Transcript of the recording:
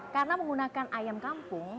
karena menggunakan ayam kampung